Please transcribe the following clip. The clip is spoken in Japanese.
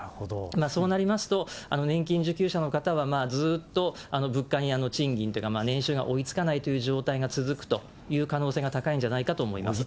そうなりますと、年金受給者の方は、ずっと物価に賃金というか、年収が追いつかないという状態が続くという可能性が高いんじゃないかと思います。